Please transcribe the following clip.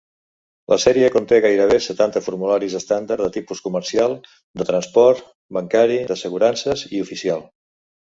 La sèrie conté gairebé setanta formularis estàndard de tipus comercial, de transport, bancari, d'assegurances i oficial.